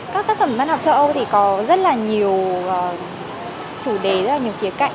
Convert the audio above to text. các tác phẩm văn học châu âu thì có rất là nhiều chủ đề rất là nhiều khía cạnh